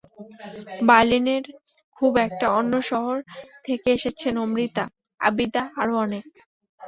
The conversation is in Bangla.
বার্লিনের খুব নিকট অন্য শহর থেকে এসেছেন অমৃতা, আবিদা আরও অনেক।